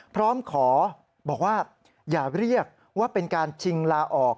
พร้อมขอบอกว่าอย่าเรียกว่าเป็นการชิงลาออก